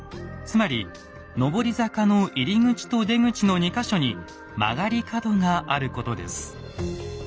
つまり上り坂の入り口と出口の２か所に曲がり角があることです。